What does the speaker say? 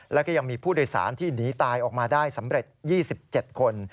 แล้วก็ยังมีผู้โดยสารที่หนีตายออกมาได้สำเร็จ๒๗คน